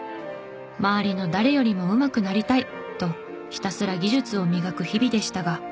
「周りの誰よりもうまくなりたい！」とひたすら技術を磨く日々でしたが。